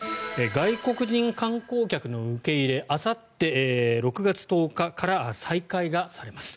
外国人観光客の受け入れあさって、６月１０日から再開がされます。